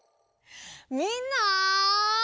みんな！